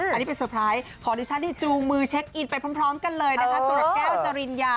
อันนี้เป็นเตอร์ไพรส์ของดิฉันที่จูงมือเช็คอินไปพร้อมกันเลยนะคะสำหรับแก้วจริญญา